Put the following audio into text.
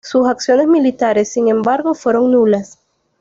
Sus acciones militares, sin embargo, fueron nulas.